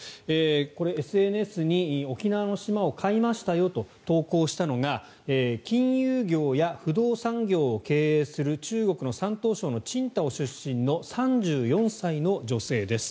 これ、ＳＮＳに沖縄の島を買いましたよと投稿したのが金融業や不動産業を経営する中国の山東省の青島出身の３４歳の女性です。